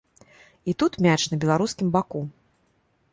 І тут мяч на беларускім баку.